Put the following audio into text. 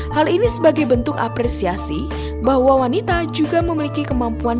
hal ini sebagai bentuk apresiasi bahwa wanita juga memiliki kemampuan